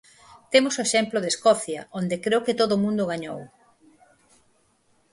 Temos o exemplo de Escocia, onde creo que todo o mundo gañou.